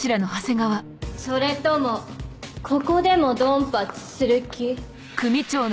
それともここでもドンパチする気？